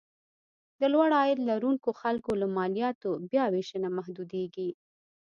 د لوړ عاید لرونکو خلکو له مالیاتو بیاوېشنه محدودېږي.